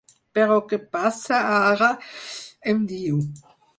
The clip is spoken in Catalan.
Però què passa, ara? —em diu.